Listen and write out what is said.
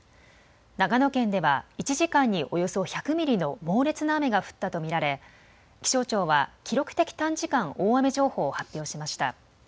長野県では１時間におよそ１００ミリの猛烈な雨が降ったと見られ気象庁は記録的短時間大雨情報を発表しました。